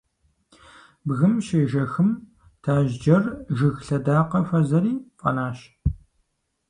Бгым щежэхым, тажьджэр жыг лъэдакъэ хуэзэри фӀэнащ.